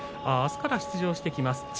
あすから出場してきます